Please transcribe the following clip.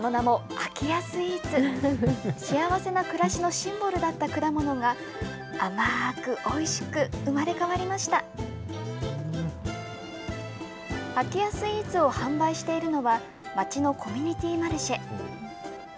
空き家スイーツを販売しているのは、町のコミュニティマルシェ。